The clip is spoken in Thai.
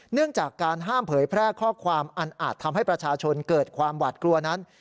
เนื่องจากการห้ามเผยแพร่ข้อความอันอาจทำให้ประชาชนเกิดความหวาดกลัวนั้น